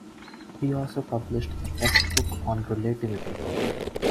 He also published a textbook on relativity.